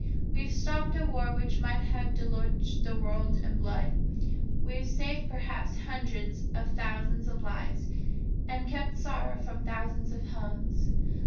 We've stopped a war which might have deluged the world in blood. We've saved perhaps hundreds of thousands of lives, and kept sorrow from thousands of homes.